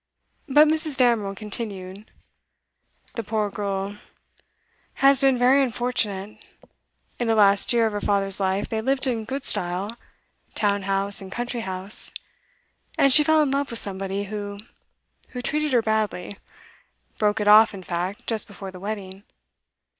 But Mrs. Damerel continued: 'The poor girl has been very unfortunate. In the last year of her father's life they lived in good style, town house and country house. And she fell in love with somebody who who treated her badly; broke it off, in fact, just before the wedding.